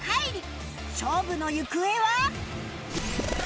勝負の行方は！？